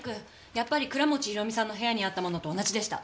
やっぱり倉持広美さんの部屋にあったものと同じでした。